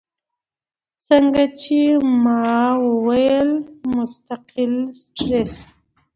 څنګه چې ما اووې مستقل سټرېس ،